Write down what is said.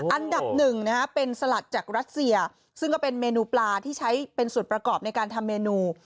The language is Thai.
อันดับหนึ่งนะฮะเป็นสลัดจากรัสเซียซึ่งก็เป็นเมนูปลาที่ใช้เป็นส่วนประกอบในการทำเมนู